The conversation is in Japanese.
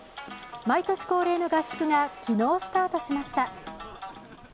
毎年恒例の合宿が昨日スタートしました。